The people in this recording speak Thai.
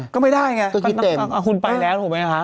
ก็ไม่ได้ไงคุณไปแล้วถูกไหมคะ